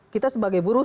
kita sebagai buruh